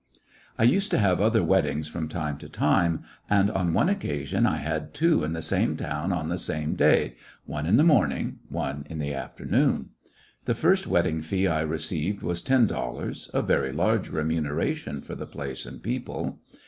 I used to have other weddings from time to Seeing his time, and on one occasion I had two in the a raise and same town on the same day, one in the morn ing, one in the afternoon. The first wedding fee I received was ten dollars, a very large remuneration for the place and people.